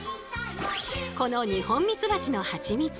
このニホンミツバチのハチミツ！